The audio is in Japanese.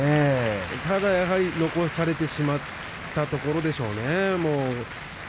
ただやはり、残されてしまったところでしょうね。